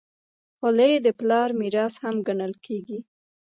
خولۍ د پلار میراث هم ګڼل کېږي.